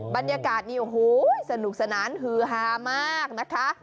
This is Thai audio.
บรรยากาศนี่โอ้โหสนุกสนานฮือฮามากนะคะ